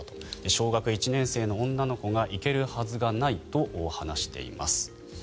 小学１年生の女の子が行けるはずがないと話しています。